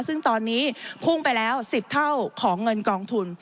ซึ่งตอนนี้พุ่งไปแล้ว๑๐เท่าของเงินกองทุน